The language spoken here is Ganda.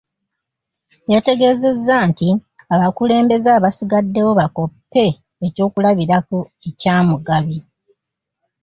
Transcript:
Yategeezezza nti abakulembeze abasigaddewo bakoppe eky'okulabirako ekya Mugabi